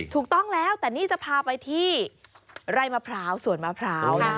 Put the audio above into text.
ถูกต้องแล้วแต่นี่จะพาไปที่ไร่มะพร้าวสวนมะพร้าว